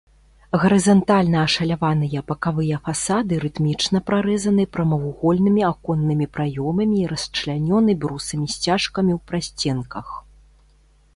Гарызантальна ашаляваныя бакавыя фасады рытмічна прарэзаны прамавугольнымі аконнымі праёмамі і расчлянёны брусамі-сцяжкамі ў прасценках.